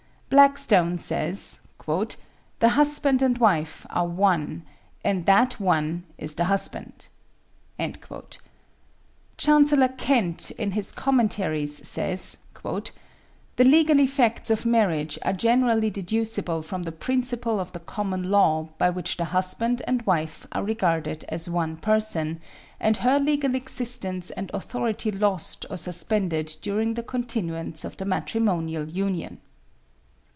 "Blackstone says: 'The husband and wife are one, and that one is the husband.' Chancellor Kent, in his 'Commentaries' says: 'The legal effects of marriage are generally deducible from the principle of the common law, by which the husband and wife are regarded as one person, and her legal existence and authority lost or suspended during the continuance of the matrimonial union.'